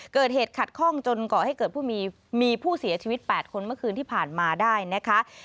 เกิดเหตุขัดข้องจนก่อให้เกิดมีผู้เสียชีวิต๘คนเมื่อคืนที่ผ่านมาได้นะคะ